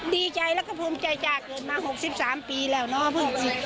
ดีใจแล้วก็ภูมิใจจากเกิดมา๖๓ปีแล้วเนาะ